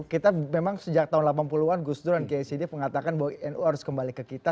kita memang sejak tahun delapan puluh an gus dur dan kiai sid mengatakan bahwa nu harus kembali ke kita